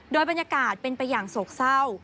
โดยบรรยากาศเป็นไปอย่างโศกเศร้า